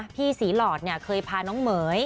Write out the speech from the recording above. พี่ศรีหลอดเคยพาน้องเหม๋ย